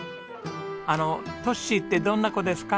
あのトッシーってどんな子ですか？